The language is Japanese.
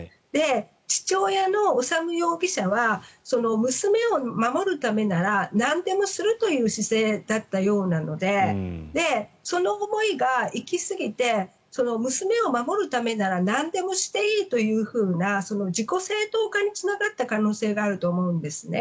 父親の修容疑者は娘を守るためならなんでもするという姿勢だったようなのでその思いが行きすぎて娘を守るためならなんでもしていいというふうな自己正当化につながった可能性があると思うんですね。